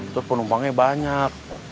terus penumpangnya banyak